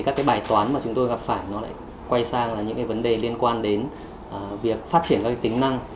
các bài toán mà chúng tôi gặp phải lại quay sang những vấn đề liên quan đến việc phát triển các tính năng